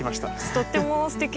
とってもすてきです。